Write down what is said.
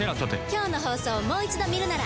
今日の放送をもう一度見るなら。